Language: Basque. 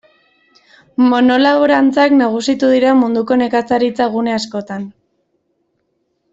Monolaborantzak nagusitu dira munduko nekazaritza gune askotan.